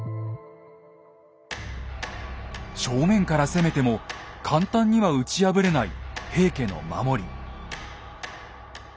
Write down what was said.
正面から攻めても簡単には打ち破れない平家の守り。